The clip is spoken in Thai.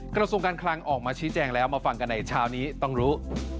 กระทรวงการคลังออกมาชี้แจงแล้วมาฟังกันในเช้านี้ต้องรู้